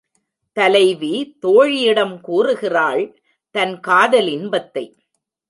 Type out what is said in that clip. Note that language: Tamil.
தலைவி தோழியிடம் கூறுகிறாள் தன் காதல் இன்பத்தை.